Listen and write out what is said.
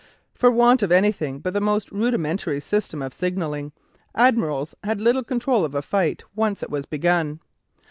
For want of anything but the most rudimentary system of signalling, admirals had little control of a fight once it was begun.